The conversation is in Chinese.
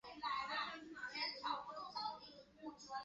仿人面蟹为人面蟹科仿人面蟹属的动物。